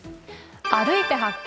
「歩いて発見！